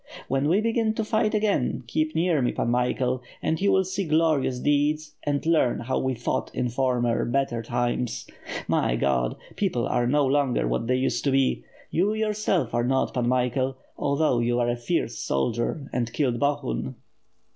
When we begin to fight again, keep near me, Pan Michael, and you will see glorious deeds and learn how we fought in former, better times. My God! people are no longer what they used to be; you, your self, are not, Pan Michael, although you are a fierce soldier, and killed Bohun.'